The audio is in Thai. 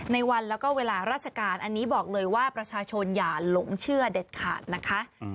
ในวันแล้วก็เวลาราชการอันนี้บอกเลยว่าประชาชนอย่าหลงเชื่อเด็ดขาดนะคะ